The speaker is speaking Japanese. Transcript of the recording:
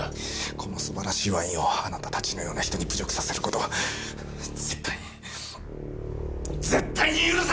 この素晴らしいワインをあなたたちのような人に侮辱させる事は絶対に絶対に許さない！！